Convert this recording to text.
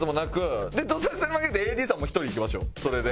どさくさに紛れてＡＤさんも１人行きましょうそれで。